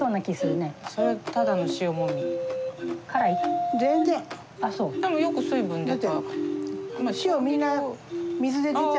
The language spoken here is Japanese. でもよく水分出た。